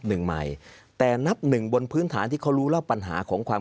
หนึ่งใหม่แต่นับหนึ่งบนพื้นฐานที่เขารู้แล้วปัญหาของความ